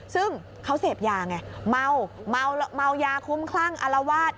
ซึ่งเขาเสพยาไงเมาเมายาคุ้มคลั่งอารวาส